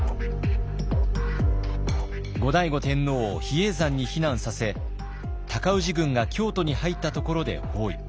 後醍醐天皇を比叡山に避難させ尊氏軍が京都に入ったところで包囲。